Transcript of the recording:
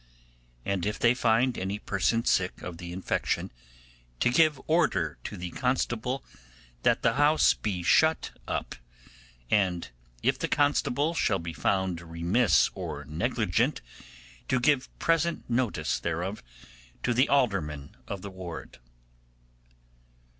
And if they find any person sick of the infection, to give order to the constable that the house be shut up; and if the constable shall be found remiss or negligent, to give present notice thereof to the alderman of the ward.